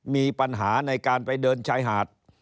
มีปัญหาในการไปเดินชายหาด